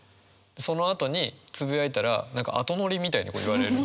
そのあとにつぶやいたら何か後乗りみたいに俺言われる。